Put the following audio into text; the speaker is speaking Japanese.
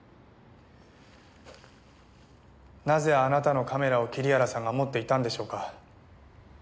なぜあなたのカメラを桐原さんが持っていたんでしょうか。